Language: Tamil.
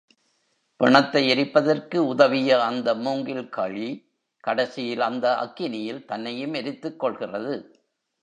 பிணத்தை எரிப்பதற்கு உதவிய அந்த மூங்கில் கழி கடைசியில் அந்த அக்கினியில் தன்னையும் எரித்துக் கொள்கிறது.